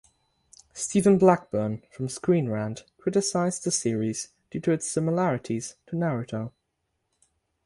Steven Blackburn from "Screen Rant" criticized the series due to its similarities to "Naruto".